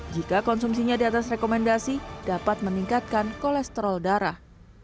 jika konsumsinya diatas rekomendasi dapat meningkatkan kolesterol darah